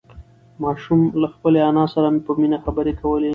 ماشوم له خپلې انا سره په مینه خبرې کولې